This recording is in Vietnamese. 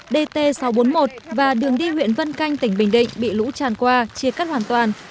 dt sáu trăm bốn mươi một và đường đi huyện vân canh tỉnh bình định bị lũ tràn qua chia cắt hoàn toàn